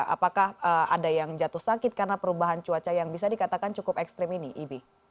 apakah ada yang jatuh sakit karena perubahan cuaca yang bisa dikatakan cukup ekstrim ini ibi